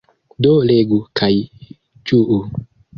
Do legu, kaj ĝuu.